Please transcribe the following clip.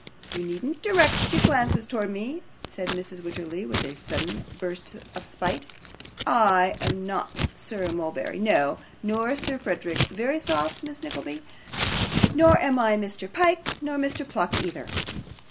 You needn't direct your glances towards me,' said Mrs. Wititterly, with a sudden burst of spite; 'I am not Sir Mulberry, no, nor Lord Frederick Verisopht, Miss Nickleby, nor am I Mr. Pyke, nor Mr. Pluck either.